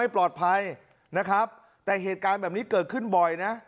ปลอดภัยนะครับแต่เหตุการณ์แบบนี้เกิดขึ้นบ่อยนะ